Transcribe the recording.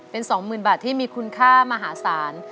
เป็น๒๐๐๐บาทที่มีคุณค่ามหาศาล